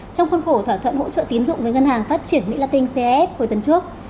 trong khuôn khổ thỏa thuận hỗ trợ tín dụng với ngân hàng phát triển mỹ latin caf hồi tuần trước